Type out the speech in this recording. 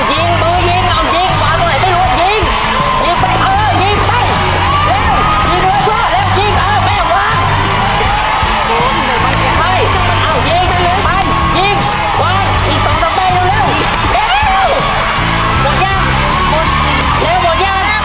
หมดย่างหมดเร็วหมดย่างหมดแล้วหมดแล้ว